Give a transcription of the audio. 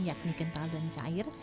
yakni kental dan cair